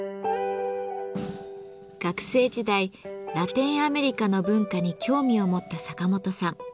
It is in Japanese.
学生時代ラテンアメリカの文化に興味を持ったサカモトさん。